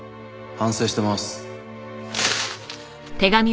「反省しています」